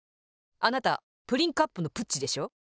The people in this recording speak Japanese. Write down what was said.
あなたプリンカップのプッチでしょ？